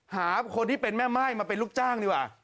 หาคนที่เป็นแม่ม่ายมาเป็นลูกจ้างดีกว่า